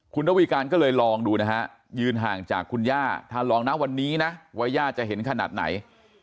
คุณระวีการก็เลยลองดูนะฮะยืนห่างจากคุณย่าถ้าลองนะวันนี้นะว่าย่าจะเห็นขนาดไหน